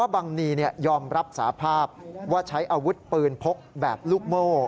บังนียอมรับสาภาพว่าใช้อาวุธปืนพกแบบลูกโม่